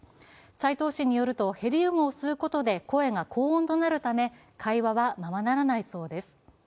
斎藤氏によると、ヘリウムを吸うことで声が高音になるため会話はままならないそうです。